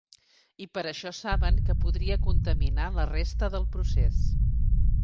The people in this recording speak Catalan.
I per això saben que podria contaminar la resta del procés.